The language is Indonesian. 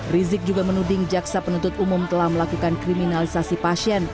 rizik juga menuding jaksa penuntut umum telah melakukan kriminalisasi pasien